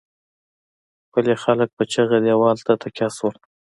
پلې خلک په چيغه دېوال ته تکيه شول.